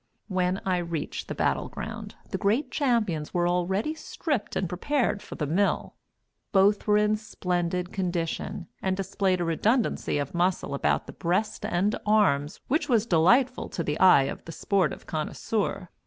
When I reached the battle ground, the great champions were already stripped and prepared for the "mill." Both were in splendid condition, and displayed a redundancy of muscle about the breast and arms which was delightful to the eye of the sportive connoisseur.